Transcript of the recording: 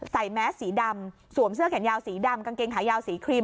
แมสสีดำสวมเสื้อแขนยาวสีดำกางเกงขายาวสีครีม